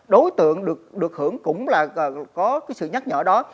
đối tượng được hưởng cũng là có cái sự nhắc nhở đó